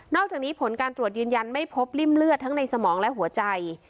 อกจากนี้ผลการตรวจยืนยันไม่พบริ่มเลือดทั้งในสมองและหัวใจ